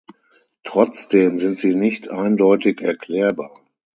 Trotzdem sind sie nicht eindeutig erklärbar.